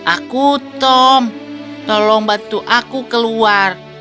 aku tom tolong bantu aku keluar